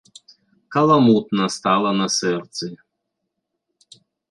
Каламутна стала на сэрцы.